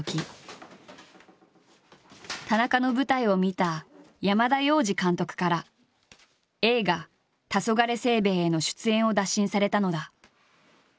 田中の舞台を見た山田洋次監督から映画「たそがれ清兵衛」への出演を打診されたのだ。